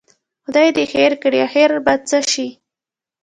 خدای دې خیر کړي، اخر به څه شي؟